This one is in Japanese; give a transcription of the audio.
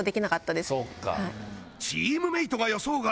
チームメートが予想外！